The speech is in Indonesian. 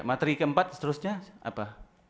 materi keempat seterusnya apa